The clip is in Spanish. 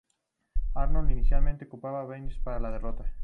Arnold inicialmente culpado Bedel para la derrota.